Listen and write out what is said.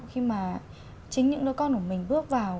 khi mà chính những đứa con của mình bước vào